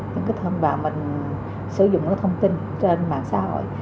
những cái thông báo mình sử dụng cái thông tin trên mạng xã hội